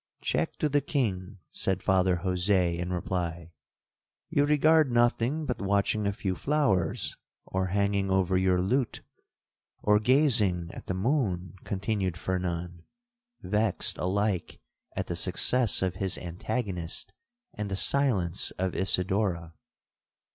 '—'Check to the king,' said Father Jose in reply. 'You regard nothing but watching a few flowers, or hanging over your lute, or gazing at the moon,' continued Fernan, vexed alike at the success of his antagonist and the silence of Isidora.